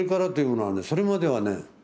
それまではね